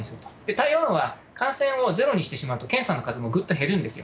台湾は、感染をゼロにしてしまうと、検査の数もぐっと減るんですよ。